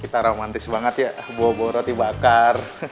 kita romantis banget ya bawa bawa roti bakar